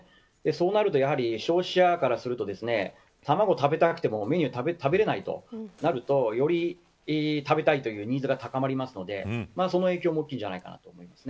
そうなると、消費者側からすると卵を食べたくても食べられないとなるとより食べたいというニーズが高まるのでその影響も大きいんじゃないかな